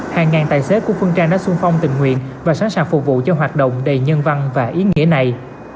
hàng ngàn tài xế của phương trang đã xuân phong tình nguyện và sẵn sàng phục vụ cho hoạt động đầy nhân văn và ý nghĩa này